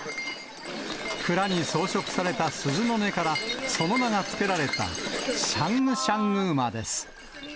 くらに装飾された鈴の音から、その名が付けられた、シャングシャング馬です。